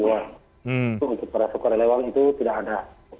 untuk para sukarelawan itu tidak ada